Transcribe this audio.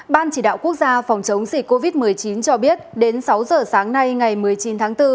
ban chỉ đạo quốc gia phòng chống dịch covid một mươi chín cho biết đến sáu giờ sáng nay ngày một mươi chín tháng bốn